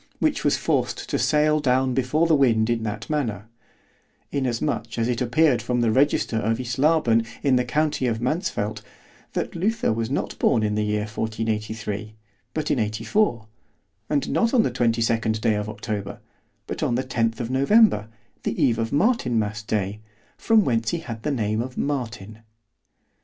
which was forced to sail down before the wind in that manner—inasmuch as it appeared from the register of Islaben in the county of Mansfelt, that Luther was not born in the year 1483, but in 84; and not on the 22d day of October, but on the 10th of November, the eve of Martinmas day, from whence he had the name of _Martin.